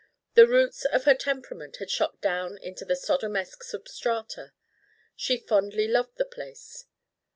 The roots of her temperament had shot down into the Sodomesque substrata. She fondly loved the place.